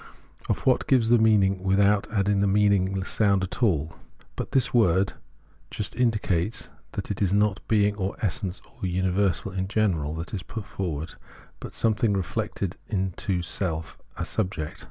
of what gives the meaning without adding the mean ingless sound at all ? But this word just indicates that it is not a being or essence or universal in general that is put forward, but something reflected into self, a subject.